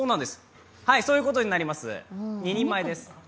そういうことになります、２人前です。